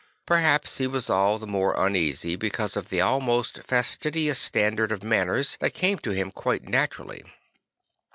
Perhaps he was all the more uneasy because of the ahnost fastidious standard of manners that came to him quite naturally.